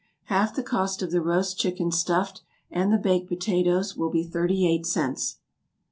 Half the cost of the Roast Chicken, stuffed, and the Baked Potatoes, will be thirty eight cents.